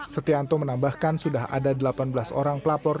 setianto menambahkan sudah ada delapan belas orang pelapor